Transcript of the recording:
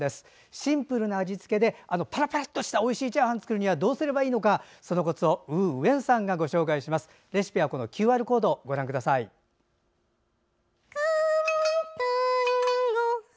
シンプルな味付けでパラパラっとしたおいしいチャーハンを作るにはどうすればいいのかそのコツをウー・ウェンさんがお教えします。